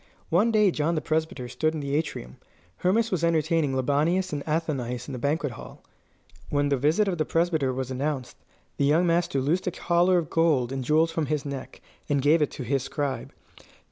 One day John the Presbyter stood in the atrium. Hermas was entertaining Libanius and Athenais in the banquet hall. When the visit of the Presbyter was announced, the young master loosed a collar of gold and jewels from his neck, and gave it to his scribe.